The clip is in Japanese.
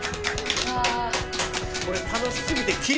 これ楽し過ぎて。